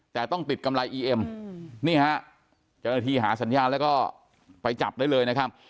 แต่ต้องติดกำไรอีเอ็มนี่ฮะเจ้าหน้าที่หาสัญญาณแล้วก็ไปจับได้เลยนะครับ